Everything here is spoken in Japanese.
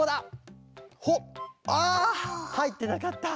はいってなかった。